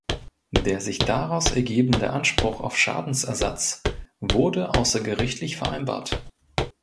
Der sich daraus ergebende Anspruch auf Schadensersatz wurde außergerichtlich vereinbart.